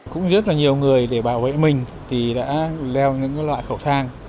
cũng rất là nhiều người để bảo vệ mình thì đã leo những loại khẩu trang